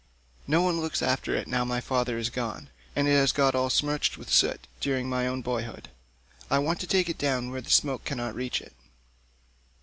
No one looks after it now my father is gone, and it has got all smirched with soot during my own boyhood. I want to take it down where the smoke cannot reach it."